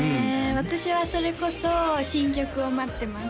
私はそれこそ新曲を待ってます